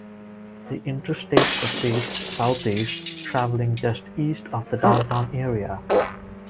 The Interstate proceeds southeast, traveling just east of the downtown area.